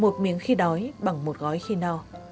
một miếng khi đói bằng một gói khi no